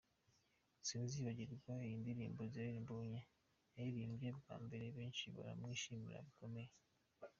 'Sinzibagirwa' ni yo ndirimbo Israel Mbonyi yaririmbye bwa mbere, benshi baramwishimira bikomeye.